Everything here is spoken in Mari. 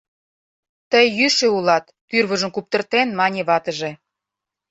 — Тый йӱшӧ улат, — тӱрвыжым куптыртен мане ватыже.